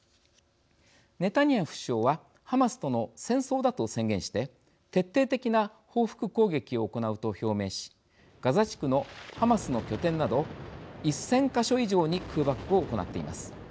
ネタニヤフ首相はハマスとの戦争だと宣言して徹底的な報復攻撃を行うと表明しガザ地区のハマスの拠点など１，０００か所以上に空爆を行っています。